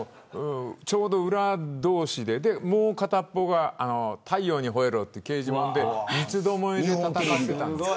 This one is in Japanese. ちょうど裏同士で、もう一つが太陽にほえろという刑事もので三つどもえで戦ってたんです。